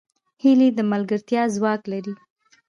هیلۍ د ملګرتیا ځواک لري